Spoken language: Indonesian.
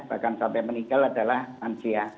bahkan sampai meninggal adalah lansia